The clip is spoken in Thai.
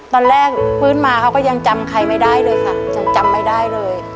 ตอนแรกฟื้นมาเขาก็ยังจำใครไม่ได้เลยค่ะยังจำไม่ได้เลย